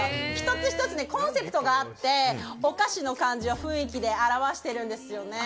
１つ１つコンセプトがあってお菓子の感じや雰囲気で表しているんですよね。